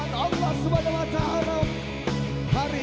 hal yang halus sekali